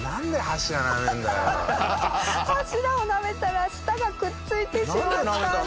柱をなめたら舌がくっついてしまったんです。